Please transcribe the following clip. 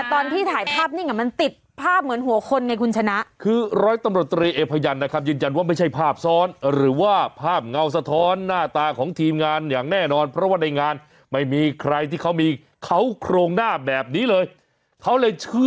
โกรธมนีหน้าจากเวลาช่วงกลมงานไม่มีใครที่ข้าวโครงหน้าแบบนี้เลยเขาเลยเชื่อ